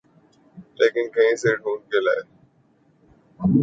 لیکن کہیں سے ڈھونڈ کے لائے۔